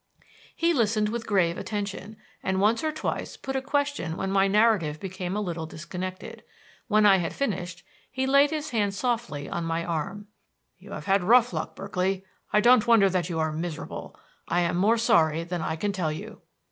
He listened with grave attention, and once or twice put a question when my narrative became a little disconnected. When I had finished he laid his hand softly on my arm. "You have had rough luck, Berkeley. I don't wonder that you are miserable. I am more sorry than I can tell you."